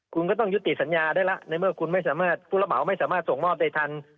คุณก็ต้องยุติสัญญาได้ละในเมื่อคุณไม่สามารถผู้รับเหมาไม่สามารถส่งมอบได้ทัน